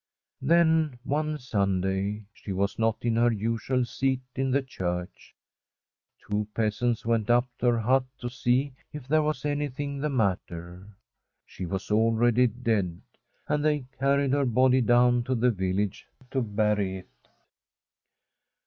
Then one Sunday she was not in her usual seat in the church. Two peasants went up to her hut to see if there was anything the matter. She was already dead, and they carried her body down to the village to bury it.